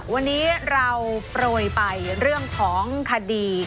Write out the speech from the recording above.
วันนี้เราโปรยไปเรื่องของคดี